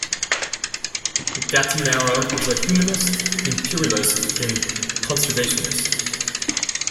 Gattinara was a humanist, imperialist, and conservationist.